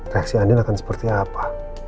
reaksi andil akan seperti apa